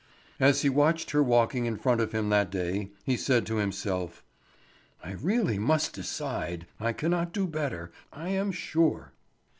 As he watched her walking in front of him that day he said to himself: "I must really decide; I cannot do better, I am sure."